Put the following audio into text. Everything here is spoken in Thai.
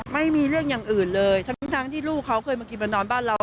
ไม่มีเรื่องอย่างอื่นเลยทั้งที่ลูกเขาเคยมากินมานอนบ้านเรา